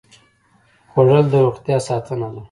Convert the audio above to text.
خوړل د روغتیا ساتنه ده